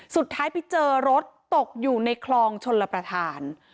สุดท้ายไปเจอรถตกอยู่ในคลองชลประธาน